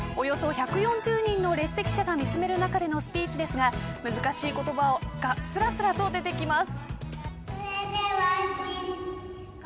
およそ１４０人の列席者が見つめる中でのスピーチですが難しい言葉がすらすらと出てきます。